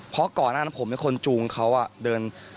เพราะก่อนหน้าผมมีคนจูงเขาเดิน